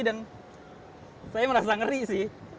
dan saya merasa ngeri sih